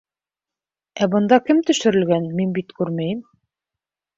— Ә бында кем төшөрөлгән, мин бит күрмәйем.